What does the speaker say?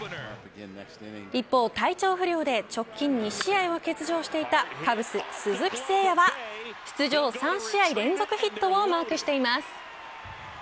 一方、体調不良で直近２試合を欠場していたカブス鈴木誠也は出場３試合連続ヒットをマークしています。